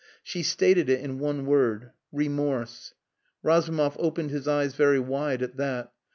She stated it in one word "Remorse." Razumov opened his eyes very wide at that.